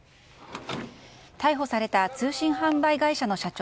逮捕された通信販売会社の社長